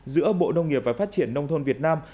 giữa bộ nông nghiệp và phát triển nông thôn việt nam